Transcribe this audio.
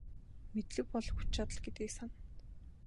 Мэдлэг бол хүч чадал гэдгийг сана.